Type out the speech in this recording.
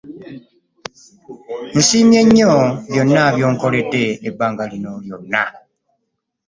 Nsiimye nnyo byonna by'onkoledde ebbanga lino lyonna.